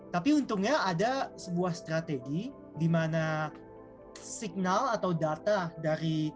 tapi untungnya ada sebuah strategi di mana signal atau data dari